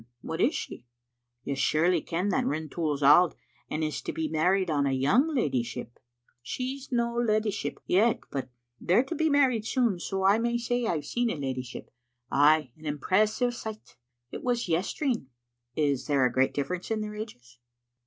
"What is she?" "You surely ken that Rintoul's auld, and is to be married on a young leddyship. She's no' a leddyship yet, but they're to be married soon, so I may say I've seen a leddyship. Ay, an impressive sicht. It was yestreen. "" Is there a great difference in their ages?"